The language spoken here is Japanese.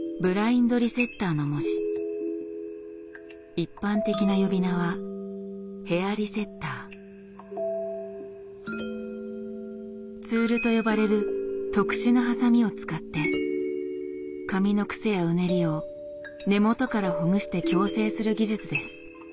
一般的な呼び名はツールと呼ばれる特殊なハサミを使って髪のクセやうねりを根元からほぐして矯正する技術です。